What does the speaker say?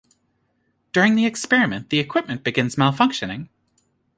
During the experiment the equipment begins malfunctioning.